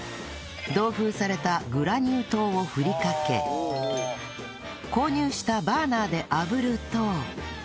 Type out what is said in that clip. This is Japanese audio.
同封されたグラニュー糖を振りかけ購入したバーナーで炙ると